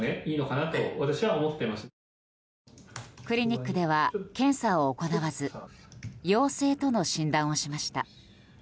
クリニックでは検査を行わず陽性との診断をしました。